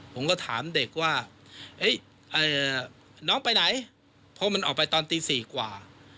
ผมก็ถามเด็กว่าน้องไปไหนเพราะมันออกไปตอนตี๔กว่า